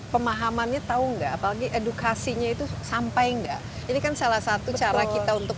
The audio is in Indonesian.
pemahamannya tahu enggak apalagi edukasinya itu sampai enggak ini kan salah satu cara kita untuk